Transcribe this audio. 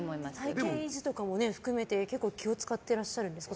体形維持とかも含めて結構気を使っていらっしゃるんですか。